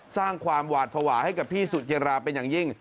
สร้างความหวาดภาวะให้กับพี่สุจิราเป็นอย่างยิ่ง